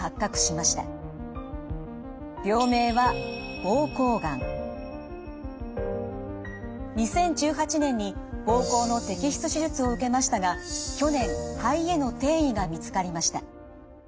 病名は２０１８年に膀胱の摘出手術を受けましたが去年肺への転移が見つかりました。